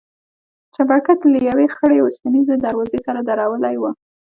چپرکټ يې له يوې خړې وسپنيزې دروازې سره درولى و.